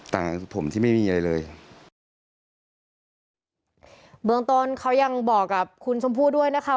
แต่ผมที่ไม่มีอะไรเลยเบื้องต้นเขายังบอกกับคุณชมพู่ด้วยนะคะ